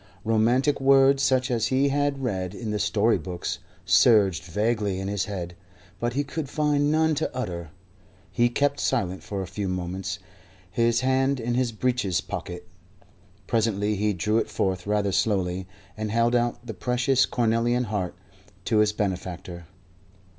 Romantic words, such as he had read in the story books, surged vaguely in his head, but he could find none to utter. He kept silent for a few moments, his hand in his breeches pocket. Presently he drew it forth rather slowly, and held out the precious cornelian heart to his benefactor.